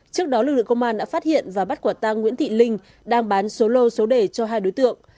trước đó lực lượng công an đã phát hiện và bắt quả tang nguyễn thị linh đang bán số lô số đề cho hai đối tượng